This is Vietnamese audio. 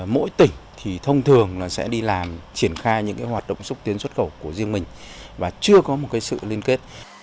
mỗi tỉnh thì thông thường sẽ đi làm triển khai những hoạt động xúc tiến xuất khẩu của riêng mình và chưa có một sự liên kết